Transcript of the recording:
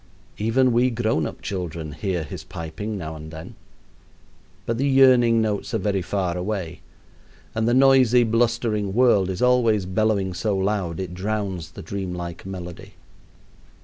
Even we grown up children hear his piping now and then. But the yearning notes are very far away, and the noisy, blustering world is always bellowing so loud it drowns the dreamlike melody.